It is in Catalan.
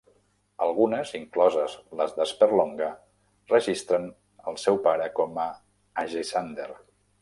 Algunes, incloses la de Sperlonga, registren el seu pare com Agesander.